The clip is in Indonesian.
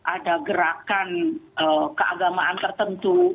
ada gerakan keagamaan tertentu